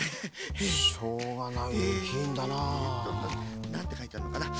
しょうがないえきいんだなあ。なんてかいてあんのかな？